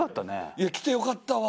いや来てよかったわ。